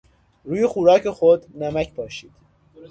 روی خوراک خود نمک پاشید.